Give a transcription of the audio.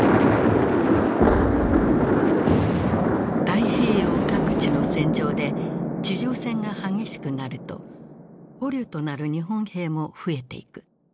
太平洋各地の戦場で地上戦が激しくなると捕虜となる日本兵も増えていく。